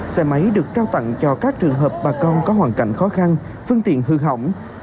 xe máy được trao tặng cho các trường hợp bà con có hoàn cảnh khó khăn phương tiện hư hỏng